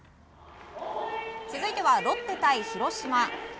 続いては、ロッテ対広島。